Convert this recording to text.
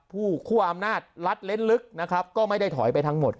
คู่คั่วอำนาจลัดเล่นลึกนะครับก็ไม่ได้ถอยไปทั้งหมด